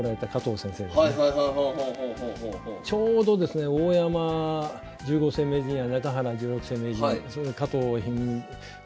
ちょうどですね大山十五世名人や中原十六世名人加藤一二三九